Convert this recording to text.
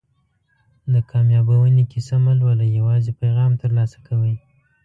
د کامیابیونې کیسې مه لولئ یوازې پیغام ترلاسه کوئ.